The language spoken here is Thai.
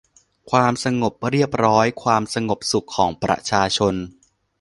ความสงบเรียบร้อย ความสงบสุขของประชาชน